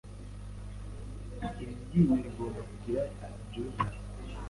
Iri ryinyo rigomba kugira ibyuzuye.